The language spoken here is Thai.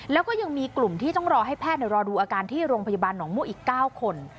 แล้วก็ยังมีกลุ่มที่ต้องรอให้แพทย์รอดูอาการที่โรงพยาบาลหนองมั่วอีก๙คน